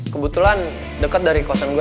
kebetulan deket dari kosong gua